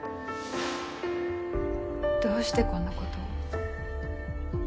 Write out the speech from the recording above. どうしてこんなことを？